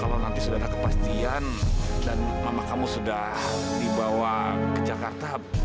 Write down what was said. kalau nanti sudah ada kepastian dan mama kamu sudah dibawa ke jakarta